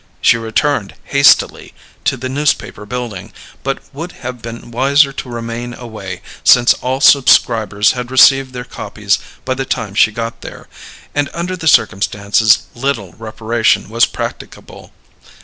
She returned hastily to the Newspaper Building, but would have been wiser to remain away, since all subscribers had received their copies by the time she got there; and under the circumstances little reparation was practicable.